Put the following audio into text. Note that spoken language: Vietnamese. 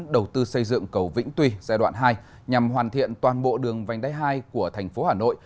đầu tư xây dựng cầu vĩnh tuy giai đoạn hai nhằm hoàn thiện toàn bộ đường vành đáy hai của thành phố hà nội